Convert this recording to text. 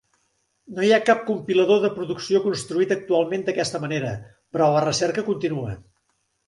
No hi ha cap compilador de producció construït actualment d'aquesta manera, però la recerca continua.